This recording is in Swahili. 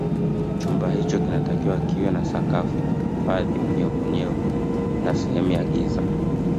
Chumba hicho kinatakiwa kiwe na sakafu inayohifadhi unyevunyevu na sehemu ya giza